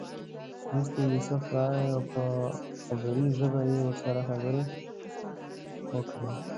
وروسته یوسف راغی او په عبري ژبه یې ورسره خبرې وکړې.